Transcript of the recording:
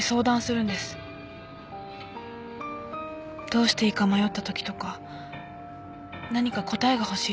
どうしていいか迷ったときとか何か答えが欲しいとき